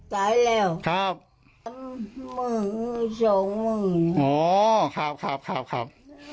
หลุกไส้จ่ายแล้วครับ